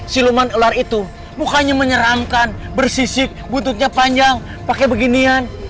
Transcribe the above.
siluman ular itu bukannya menyeramkan bersisik bututnya panjang pakai beginian